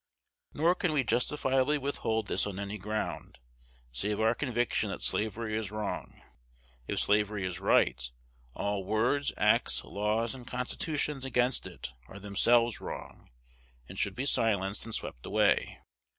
Nor can we justifiably withhold this on any ground, save our conviction that slavery is wrong. If slavery is right, all words, acts, laws, and constitutions against it are themselves wrong, and should be silenced and swept away.